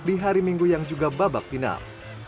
di hari minggu yang juga babak final